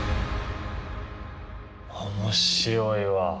面白いわ。